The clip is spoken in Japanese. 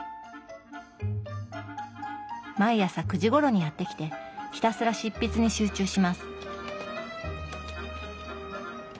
毎朝９時ごろにやって来てひたすら執筆に集中します。